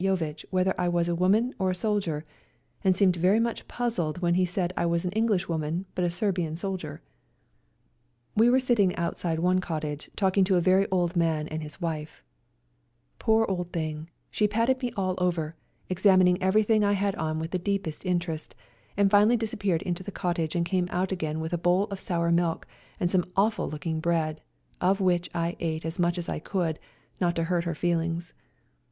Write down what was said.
Jovitch whether I was a woman or a soldier, and seemed very much puzzled when he said I was an Englishwoman but a Serbian soldier. We were sitting out side one cottage talking to a very old man SERBIAN SOLDIERS. A COLD CAMP Page 1 1 4 ROUND THE CAMP FIRE Page 1 54 I ELBASAN 155 and his wife. Poor old thing, she patted me all over, examining everything I had on with the deepest interest, and finally disappeared into the cottage and came out again with a bowl of sour milk and some awful looking bread, of which I ate as much as I could, not to hurt her feel ings.